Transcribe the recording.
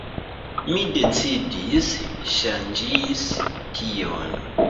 Mi decidis ŝanĝis tion.